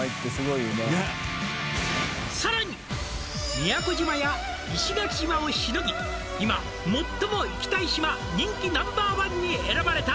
「宮古島や石垣島をしのぎ」「今最も行きたい島人気Ｎｏ．１に選ばれた」